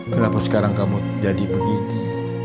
kenapa sekarang kamu jadi begini